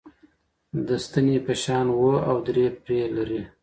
د ستنې په شان وه او درې پرې یي لرلې.